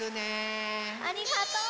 ありがとう！